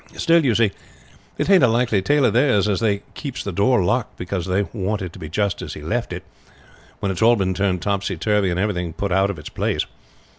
Still, you see, it ain't a likely tale of theirs as they keeps the door locked because they want it to be just as he left it, when it's all been turned topsy turvy and everything put out of its place.